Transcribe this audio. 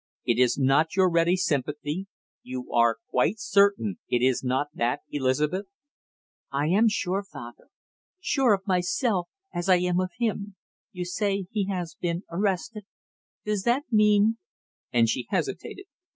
"It is not your ready sympathy; you are quite certain it is not that, Elizabeth?" "I am sure, father sure of myself as I am of him! You say he has been arrested, does that mean " and she hesitated.